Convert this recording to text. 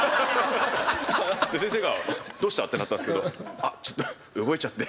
先生が「どうした？」ってなったんですけど「あっちょっと動いちゃって」